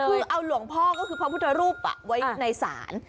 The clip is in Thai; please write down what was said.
คือเอาหลวงพ่อก็คือพระพุทธรูปไว้ในศาล